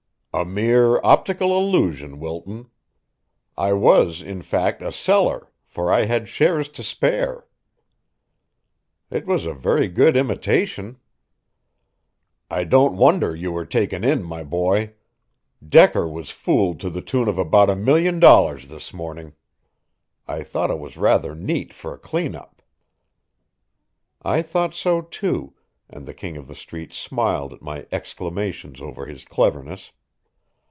"A mere optical illusion, Wilton. I was in fact a seller, for I had shares to spare." "It was a very good imitation." "I don't wonder you were taken in, my boy. Decker was fooled to the tune of about a million dollars this morning. I thought it was rather neat for a clean up." I thought so, too, and the King of the Street smiled at my exclamations over his cleverness.